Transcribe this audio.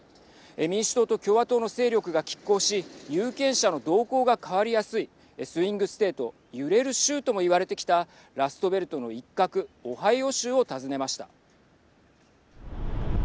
民主党と共和党の勢力がきっ抗し有権者の動向が変わりやすいスイングステート＝揺れる州とも言われてきたラストベルトの一角オハイオ州を訪ねました。